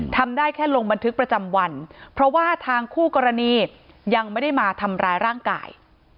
ทำได้แค่ลงบันทึกประจำวันเพราะว่าทางคู่กรณียังไม่ได้มาทำร้ายร่างกาย